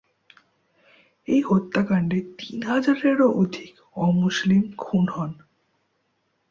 এই হত্যাকাণ্ডে তিন হাজারেরও অধিক অমুসলিম খুন হন।